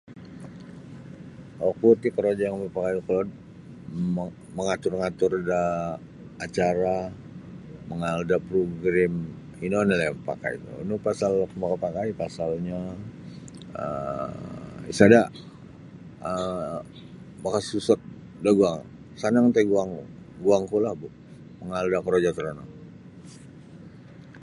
Oku ti korojo yang mapakaiku kolod mong mangatur-ngatur daa acara mangaal da program ino onilah yang mapakaiku nunu pasal oku makapakai pasalnyo um sada' um makasusot daguang sanang ntai guangku guangkulah mangaal da korojo torono.